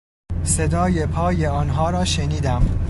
صدای پای آنها را شنیدم.